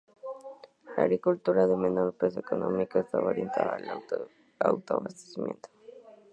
La agricultura, de menor peso económico, estaba orientada al autoabastecimiento.